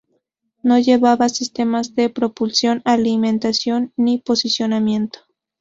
No llevaba sistemas de propulsión, alimentación ni posicionamiento.